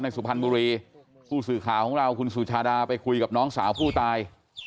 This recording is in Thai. สุพรรณบุรีผู้สื่อข่าวของเราคุณสุชาดาไปคุยกับน้องสาวผู้ตาย